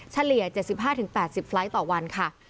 เฉลี่ย๗๕๘๐ไฟล์ทต่อวันค่ะ